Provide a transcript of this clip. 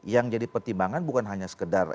yang jadi pertimbangan bukan hanya sekedar